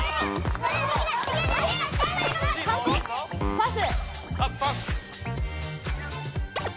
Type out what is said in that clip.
パス。